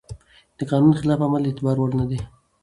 د قانون خلاف عمل د اعتبار وړ نه دی.